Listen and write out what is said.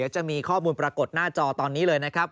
จะมีข้อมูลปรากฏหน้าจอตอนนี้เลยนะครับ